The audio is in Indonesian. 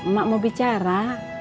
mak mau bicara